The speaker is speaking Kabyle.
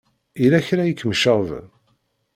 Yella kra i kem-iceɣben?